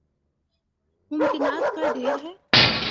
ممکنات کا ڈھیر ہے۔